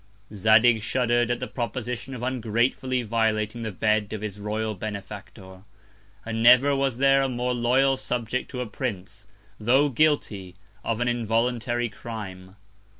Zadig shudder'd at the Proposition of ungratefully violating the Bed of his Royal Benefactor; and never was there a more loyal Subject to a Prince, tho' guilty of an involuntary Crime.